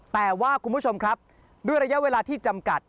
แต่ว่าคุณผู้ชมครับด้วยระยะเวลาที่จำกัด